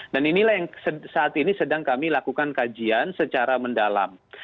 dan inilah yang saat ini sedang kami lakukan kajian secara mendalam